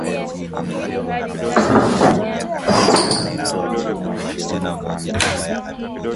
Debby alimpeleka lakini alikutana na hatari kubwa sana ya kukatwa ulimi asitoe siri